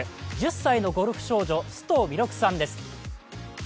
１０歳のゴルフ少女、須藤弥勒さんです。